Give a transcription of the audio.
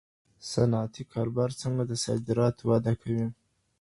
صنعتي کاروبار څنګه د صادراتو وده کوي؟